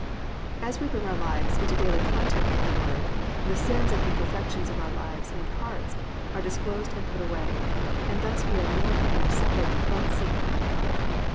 As we bring our lives into daily contact with the Word, the sins and imperfections of our lives and hearts are disclosed and put away, and thus we are more and more separated from sin unto God.